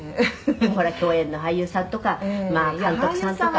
「でもほら共演の俳優さんとか監督さんとか」